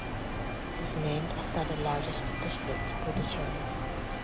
It is named after the largest district, Puducherry.